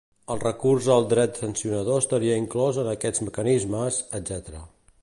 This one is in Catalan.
El recurs al dret sancionador estaria inclòs en aquests mecanismes, etc.